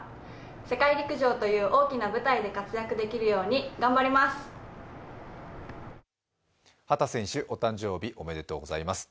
世界陸上という大きな舞台で活躍できるように頑張ります。